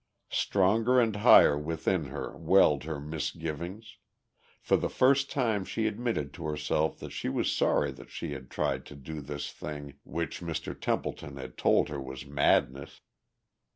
Stronger and higher within her welled her misgivings; for the first time she admitted to herself that she was sorry that she had tried to do this thing which Mr. Templeton had told her was madness.